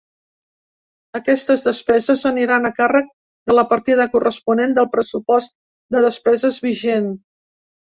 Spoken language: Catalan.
Aquestes despeses aniran a càrrec de la partida corresponent del pressupost de despeses vigent.